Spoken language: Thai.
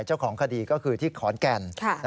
เจ้าของคดีก็คือที่ขอนแก่น